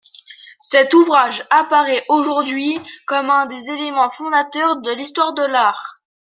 Cet ouvrage apparaît, aujourd'hui, comme un des éléments fondateurs de l'Histoire de l'art.